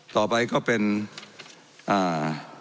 ต่อไปก็เป็นอ่า